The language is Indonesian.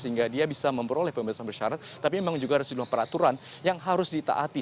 sehingga dia bisa memperoleh pembebasan bersyarat tapi memang juga ada sejumlah peraturan yang harus ditaati